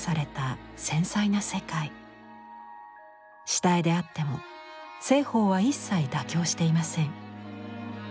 下絵であっても栖鳳は一切妥協していません。